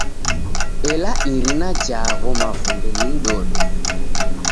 Ela irina ja gho mavunde ni mdodo.